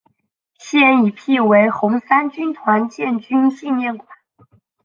现已辟为红三军团建军纪念馆。